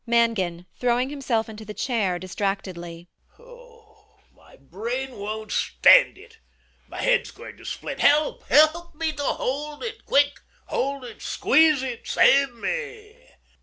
MANGAN [throwing himself into the chair distractedly]. My brain won't stand it. My head's going to split. Help! Help me to hold it. Quick: hold it: squeeze it. Save me.